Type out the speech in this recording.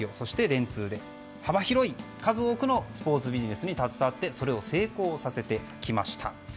幅広い数多くのスポーツビジネスに携わってそれを成功させてきた。